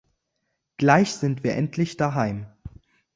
Gleich sind wir endlich daheim.